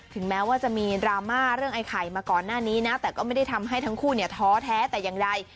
แม้ว่าจะมีดราม่าเรื่องไอ้ไข่มาก่อนหน้านี้นะแต่ก็ไม่ได้ทำให้ทั้งคู่เนี่ยท้อแท้แต่อย่างใด